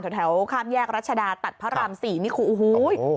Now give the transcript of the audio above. แถวข้ามแยกรัชดาตัดพระราม๔นี่คือโอ้โห